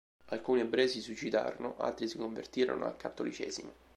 Alcuni ebrei si suicidarono, altri si convertirono al cattolicesimo.